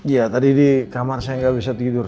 iya tadi di kamar saya gak bisa tidur